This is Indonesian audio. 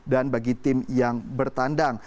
dan bagi tim yang bertandang